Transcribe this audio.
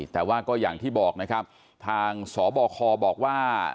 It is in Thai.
แต่ว่าก็อย่างที่บอกนะครับทางสบคบอกว่า